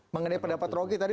mengenai pendapat rocky tadi